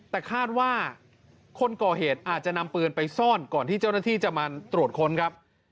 แต่คาดว่าคนก่อเหตุอาจจะนำปืนไปซ่อนก่อนที่เจ้าหน้าที่จะมาตรวจค้นครับ